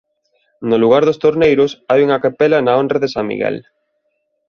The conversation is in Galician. No lugar dos Torneiros hai unha capela na honra de San Miguel.